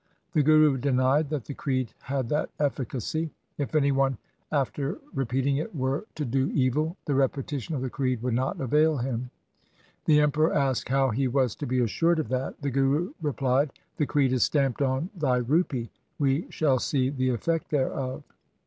The Guru denied that the creed had that efficacy. If any one after repeating it were to do evil, the repetition of the creed would not avail him. LIFE OF GURU GOBIND SINGH 233 The Emperor asked how he was to be assured of that. The Guru replied, ' The creed is stamped on thy rupee ; we shall see the effect thereof.'